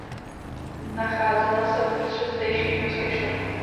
Nacházela se uprostřed zdejší židovské čtvrti.